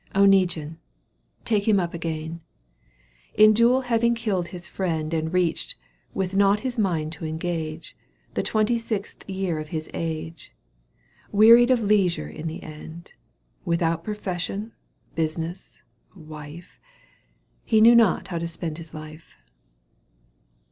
^^ Oneguine — ^take him up again — In duel having killed his friend And reached, with nought his mind to engage. The twenty sixth year of his age, Wearied of leisure in the end. Without profession, business, wife. He knew not how to spend his life.